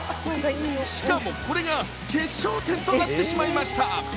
しかも、これが決勝点となってしまいました。